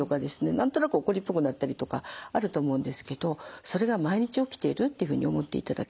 何となく怒りっぽくなったりとかあると思うんですけどそれが毎日起きているっていうふうに思っていただけるといいかなと思います。